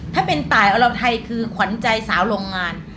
ถ้าเป็นตายอรไทยคือขวัญใจสาวโรงงาน